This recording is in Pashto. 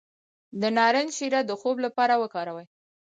د نارنج شیره د خوب لپاره وکاروئ